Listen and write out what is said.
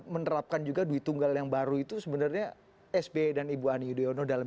menerapkan juga duit tunggal yang baru itu sebenarnya sby dan ibu ani yudhoyono dalam